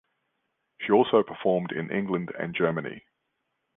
She also performed in England and Germany.